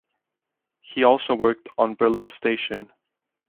He also worked on "Berlin Station".